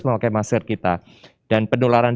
memakai masker kita dan penularan